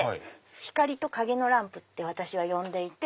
光と影のランプって私は呼んでいて。